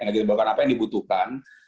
energi terbarukan apa yang dibutuhkan